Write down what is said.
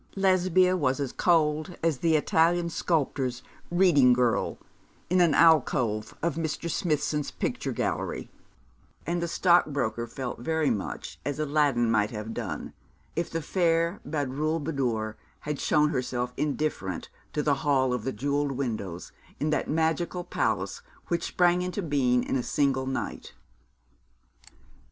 Lesbia was as cold as the Italian sculptor's Reading Girl in an alcove of Mr. Smithson's picture gallery; and the stockbroker felt very much as Aladdin might have done if the fair Badroulbadour had shown herself indifferent to the hall of the jewelled windows, in that magical palace which sprang into being in a single night.